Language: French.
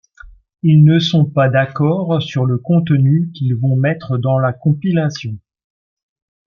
Ils ne sont pas d'accord sur le contenu qu'ils vont mettre dans la compilation.